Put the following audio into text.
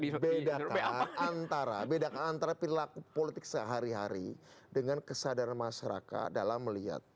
dibedakan antara bedakan antara perilaku politik sehari hari dengan kesadaran masyarakat dalam melihat